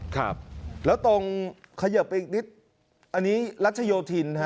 ครับแล้วตรงเขยิบไปอีกนิดอันนี้รัชโยธินฮะ